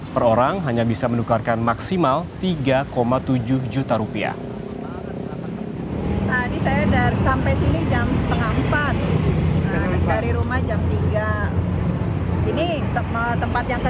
per orang hanya bisa menukarkan maksimal tiga tujuh juta rupiah